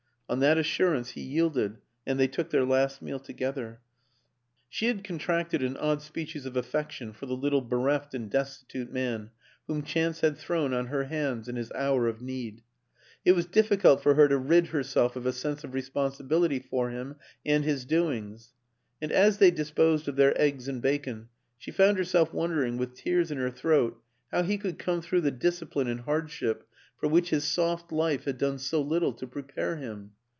On that assurance he yielded, and they took their last meal together. She had contracted an odd species of affection for the little bereft and destitute man whom chance had thrown on her hands in his hour of need; it was difficult for her to rid herself of a sense of responsibility for him and his doings : and as they disposed of their eggs and bacon she found herself wondering, with tears in her throat, how he could come through the discipline and hardship for which his soft life had done so little to prepare him.